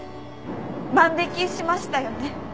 万引しましたよね